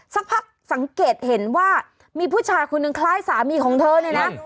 สักพักสังเกตเห็นว่ามีผู้ชายคนหนึ่งคล้ายสามีของเธอเนี่ยนะ